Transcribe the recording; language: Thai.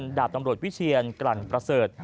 กระดาษตำรวจวิทเชียรกรรณประเสริฐ